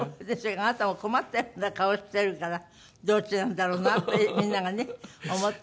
あなたも困ったような顔してるからどっちなんだろうなってみんながね思って。